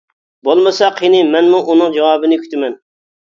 بولمىسا قېنى مەنمۇ ئۇنىڭ جاۋابىنى كۈتىمەن!